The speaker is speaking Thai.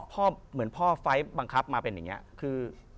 เหมือนพ่อไฟล์บังคับมาเป็นอย่างนี้คือ